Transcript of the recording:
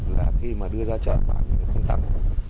là khi mà đưa ra chợ thì không tăng